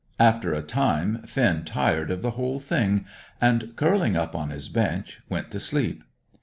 After a time Finn tired of the whole thing and, curling up on his bench, went to sleep.